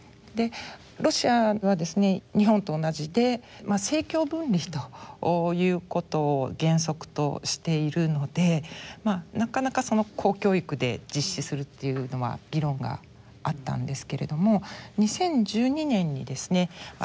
ロシアはですね日本と同じで政教分離ということを原則としているのでなかなか公教育で実施するっていうのは議論があったんですけれども２０１２年にですね